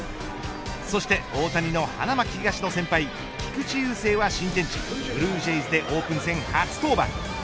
そして、大谷の花巻東の先輩、菊池雄星は新天地ブルージェイズでオープン戦初登板。